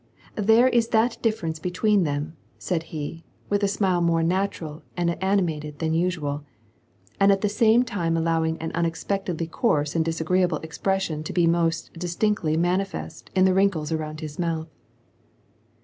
There is that difference between them," said he, with a smile more natural and ani mated than usual, and at the same time allowing an unexpect edly coarse and disagreeable expression to be most distinctly manifest in the wrinkles around his mouth.